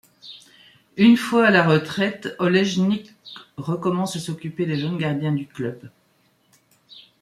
Une fois à la retraite, Olejnik recommence à s'occuper des jeunes gardiens du club.